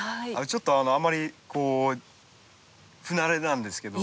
ちょっとあんまり不慣れなんですけど。